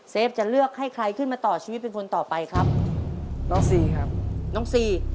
ฟจะเลือกให้ใครขึ้นมาต่อชีวิตเป็นคนต่อไปครับน้องซีครับน้องซี